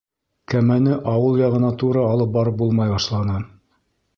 Кәмәне ауыл яғына тура алып барып булмай башланы.